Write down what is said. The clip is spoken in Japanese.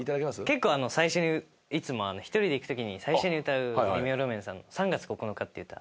結構最初にいつもひとりで行く時に最初に歌うレミオロメンさんの『３月９日』っていう歌。